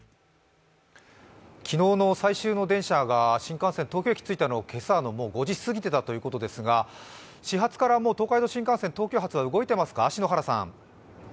昨日の最終電車、新幹線東京駅に着いたのが今朝の５時過ぎてたということですが始発から東海道新幹線、東京発は動いてますか？